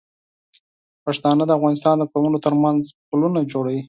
پښتانه د افغانستان د قومونو تر منځ پلونه جوړوي.